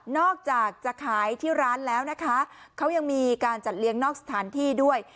อกจากจะขายที่ร้านแล้วนะคะเขายังมีการจัดเลี้ยงนอกสถานที่ด้วย